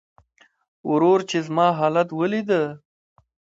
ورور چې زما حالت وليده .